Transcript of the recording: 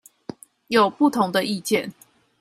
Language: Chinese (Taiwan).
有不同的意見